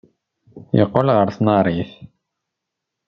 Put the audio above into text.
Yeqqel ɣer tnarit.